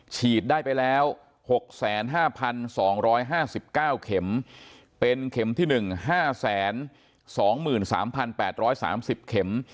ฉีดได้ไปแล้ว๖๕๒๕๙เข็มเป็นเข็มที่๑๕๒๓๘๓๐เข็ม